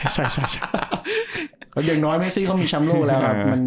ใช่ยังน้อยไหมสิเขามีชามลูกแล้วครับ